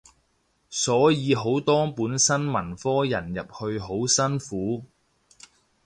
所以好多本身文科人入去好辛苦